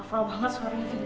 rafa banget suaranya fino lalu